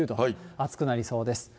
暑くなりそうです。